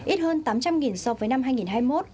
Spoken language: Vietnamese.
ít hơn tám trăm linh so với năm hai nghìn hai mươi một